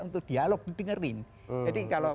untuk dialog didengerin jadi kalau